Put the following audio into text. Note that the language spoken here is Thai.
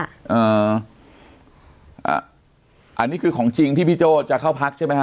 อันนี้คือของจริงที่พี่โจ้จะเข้าพักใช่ไหมฮะ